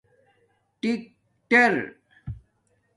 ٹکیٹر